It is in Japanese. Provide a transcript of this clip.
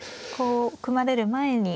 こう組まれる前に。